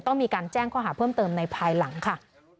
ต้องมีการแจ้งข้อหาเพิ่มเติมในภายหลังค่ะ